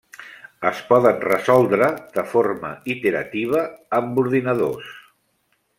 Es poden resoldre de forma iterativa amb ordinadors.